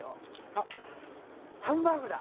あっハンバーグだ！